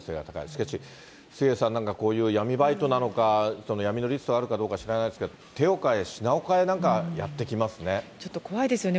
しかし、杉上さん、こういう闇バイトなのか、闇のリストあるのか知らないですけど、手を変え品をちょっと怖いですよね。